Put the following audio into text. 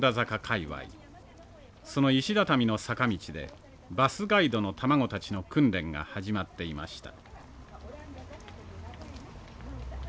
その石だたみの坂道でバスガイドの卵たちの訓練が始まっていました。